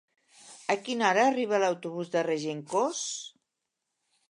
A quina hora arriba l'autobús de Regencós?